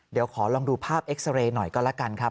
เดี๋ยวขอลองดูภาพเอ็กซาเรย์หน่อยก็แล้วกันครับ